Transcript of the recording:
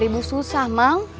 daripada berharga mah